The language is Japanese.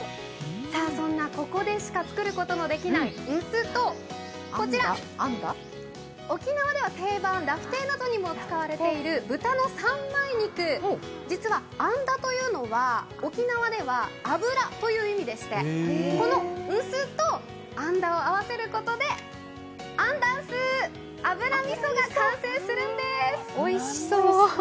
そんな、ここでしか造ることのできない「ンス」とこちら沖縄では定番、ラフテーなどにも使われている豚の三枚肉、実は「アンダ」というのは沖縄で脂という意味でしてこの「ンス」と「アンダ」を合わせることでアンダンスー、油みそが完成するんです。